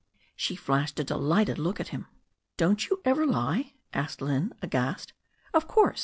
She flashed a delighted look at him. *Don't you ever lie?" asked Lynne, aghast. 'Oh, of course.